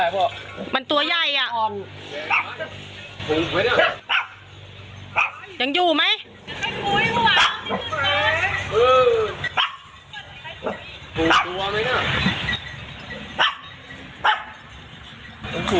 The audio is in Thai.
โหอยู่อยู่อยู่